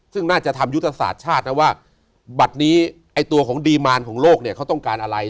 ซึ่งน่าจะทำยุทธศาสตร์ชาตินะว่าบัตรนี้ไอ้ตัวของดีมารของโลกเนี่ยเขาต้องการอะไร